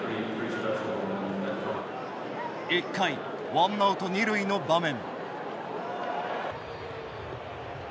１回ワンナウト二塁の場面。